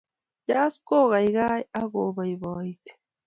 jazz kokaikai ako paipaiti